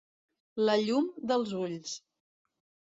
La llum dels ulls.